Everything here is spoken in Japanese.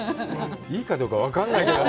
いいかどうか分からないけどね。